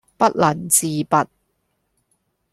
不能自拔